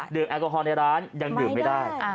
แอลกอฮอลในร้านยังดื่มไม่ได้